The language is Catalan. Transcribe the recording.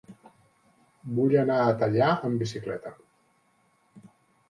Vull anar a Teià amb bicicleta.